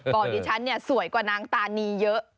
บอกดิฉันสวยกว่านางตานีเยอะ